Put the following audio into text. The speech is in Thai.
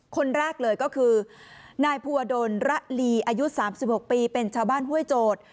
คนแรกเลยก็คือนายภูวดลระลีอายุ๓๖ปีเป็นชาวบ้านห้วยโจทย์